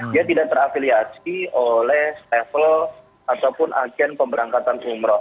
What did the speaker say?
dia tidak terafiliasi oleh travel ataupun agen pemberangkatan umroh